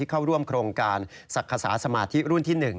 เข้าร่วมโครงการศักดิ์ษาสมาธิรุ่นที่๑